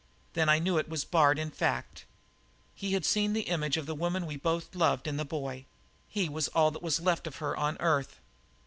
Then I knew it was Bard in fact. He had seen the image of the woman we both loved in the boy. He was all that was left of her on earth.